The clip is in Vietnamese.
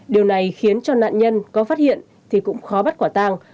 điều này khiến cho nạn nhân có phát hiện thì cũng khó bắt quả tàng